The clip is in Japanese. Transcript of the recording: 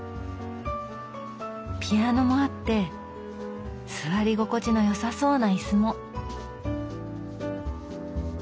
ピアノもあって座り心地のよさそうな椅子も。